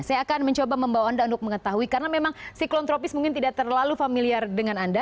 saya akan mencoba membawa anda untuk mengetahui karena memang siklon tropis mungkin tidak terlalu familiar dengan anda